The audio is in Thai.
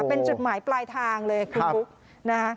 เป็นจุดหมายปลายทางเลยคุณบุ๊กนะฮะ